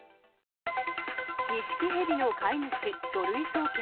ニシキヘビの飼い主書類送検。